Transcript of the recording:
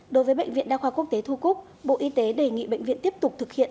đối với bệnh viện đa khoa quốc tế thu cúc bộ y tế đề nghị bệnh viện tiếp tục thực hiện